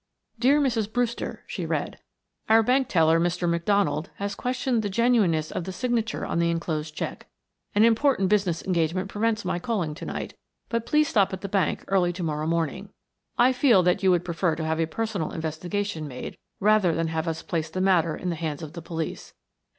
Dear Mrs. Brewster, she read. Our bank teller, Mr. McDonald, has questioned the genuineness of the signature on the inclosed check. An important business engagement prevents my calling to night, but please stop at the bank early to morrow morning. I feel that you would prefer to have a personal investigation made rather than have us place the matter in the hands of the police.